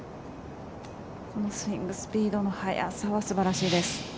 このスイングスピードの速さは素晴らしいです。